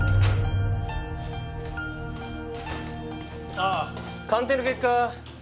ああ鑑定の結果